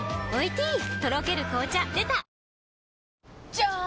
じゃーん！